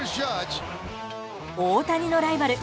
大谷のライバル